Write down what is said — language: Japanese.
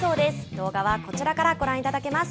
動画はこちらからご覧いただけます。